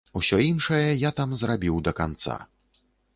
Усё іншае я там зрабіў да канца.